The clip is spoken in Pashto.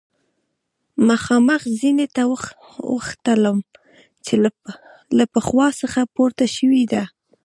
مخامخ زینې ته وختلم چې له پخوا څخه پورته شوې ده.